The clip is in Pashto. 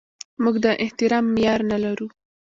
موږ د احترام معیار نه لرو.